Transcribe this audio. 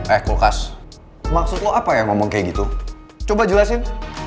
eh kulkas maksudku apa ya ngomong kayak gitu coba jelasin